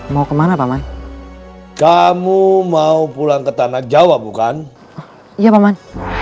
mau kemana paman kamu mau pulang ke tanah jawa bukan iya paman